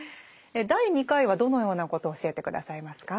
第２回はどのようなことを教えて下さいますか？